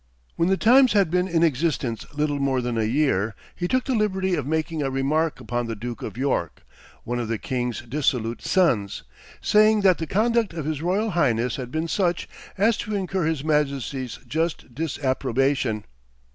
When "The Times" had been in existence little more than a year, he took the liberty of making a remark upon the Duke of York, one of the king's dissolute sons, saying that the conduct of his Royal Highness had been such as to incur His Majesty's just disapprobation.